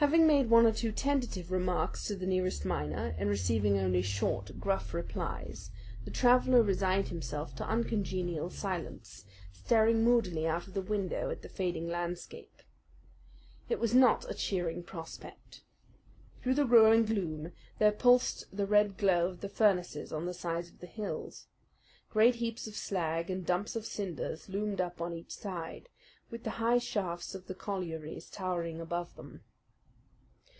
Having made one or two tentative remarks to the nearest miner, and receiving only short, gruff replies, the traveller resigned himself to uncongenial silence, staring moodily out of the window at the fading landscape. It was not a cheering prospect. Through the growing gloom there pulsed the red glow of the furnaces on the sides of the hills. Great heaps of slag and dumps of cinders loomed up on each side, with the high shafts of the collieries towering above them.